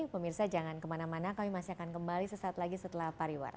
pemirsa jangan kemana mana kami masih akan kembali sesaat lagi setelah pariwara